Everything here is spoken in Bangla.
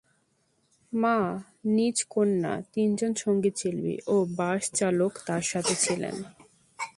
মা, নিজ কন্যা, তিনজন সঙ্গীতশিল্পী ও বাস চালক তাঁর সাথে ছিলেন।